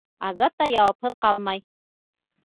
Азат та яуапһыҙ ҡалмай.